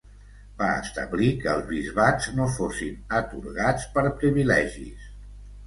Va establir que els bisbats no fossin atorgats per privilegis.